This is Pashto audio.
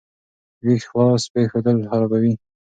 ویښتې خلاص پریښودل خرابوي.